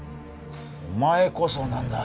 お前こそなんだ？